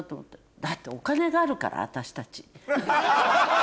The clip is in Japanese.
だってお金があるから私たち。